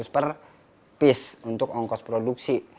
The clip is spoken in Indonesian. seribu lima ratus per piece untuk ongkos produksi